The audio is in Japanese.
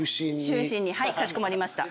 はいかしこまりました。